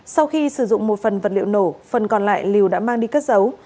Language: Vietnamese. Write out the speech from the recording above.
sau khi sử dụng một phần vật liệu nổ phần còn lại liều đã mang đi cất giấu